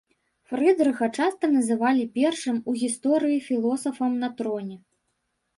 Фрыдрыха часта называлі першым у гісторыі філосафам на троне.